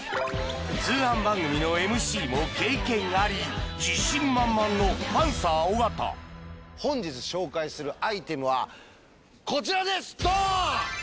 通販番組のＭＣも経験あり自信満々の本日紹介するアイテムはこちらですドーン！